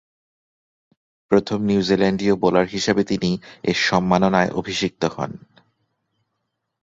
প্রথম নিউজিল্যান্ডীয় বোলার হিসেবে তিনি এ সম্মাননায় অভিষিক্ত হন।